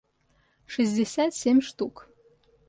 шестьдесят семь штук